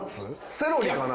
セロリかな？